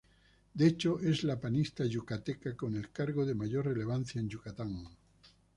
De hecho, es la panista yucateca con el cargo de mayor relevancia en Yucatán.